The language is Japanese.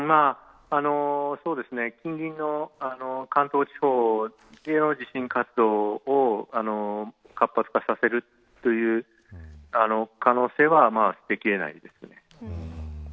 近隣の関東地方での地震活動を活発化させるという可能性は捨てきれません。